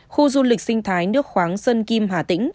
khu du lịch sinh thái nước khoáng sơn kim hà tĩnh